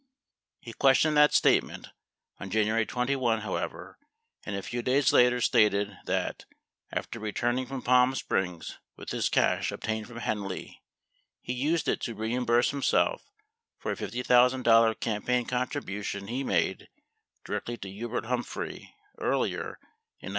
37 He questioned that statement on January 21, however, and a few days later stated that, after return ing from Palm Springs with this cash obtained from Henley, he used it to reimburse himself for a $50,000 campaign contribution he made directly to Hubert Humphrey earlier in 1968.